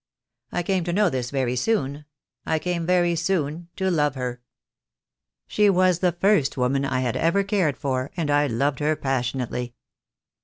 I came to know this very soon; I came very soon to love her. She was the first woman I had ever cared for, and I loved her passionately."